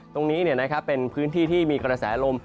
ตรงนี้เป็นพื้นที่ที่มีกระแสลม